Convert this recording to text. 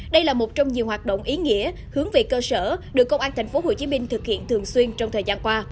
đây là một trong nhiều hoạt động ý nghĩa hướng về cơ sở được công an tp hcm thực hiện thường xuyên trong thời gian qua